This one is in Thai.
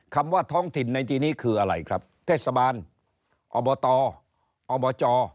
คำว่าท้องถิ่นในทีนี้คืออะไรครับเทศบาลอบตอบจ